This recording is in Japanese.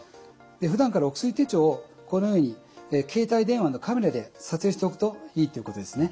ふだんからお薬手帳をこのように携帯電話のカメラで撮影しておくといいということですね。